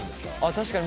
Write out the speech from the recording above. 確かに。